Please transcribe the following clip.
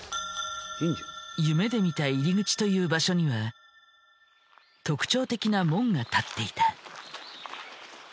夢で見た入り口という場所には特徴的な門が建っていた。